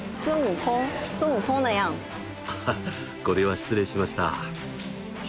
ハハこれは失礼しました。